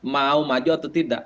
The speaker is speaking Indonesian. mau maju atau tidak